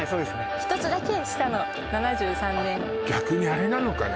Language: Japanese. １つだけ下の７３年逆にアレなのかな